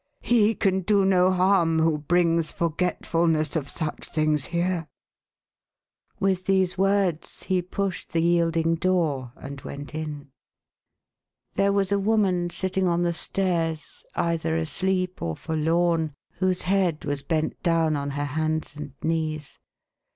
He can do no harm, who brings forgetfulness of such things here !" With these words, he pushed the yielding door, and went in. There was a woman sitting on the stairs, either asleep or forlorn, whose head was bent down on her hands and knees.